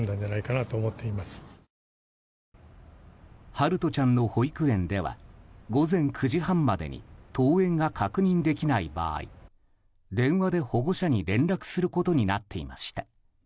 陽翔ちゃんの保育園では午前９時半までに登園が確認できない場合電話で保護者に連絡することになっていました。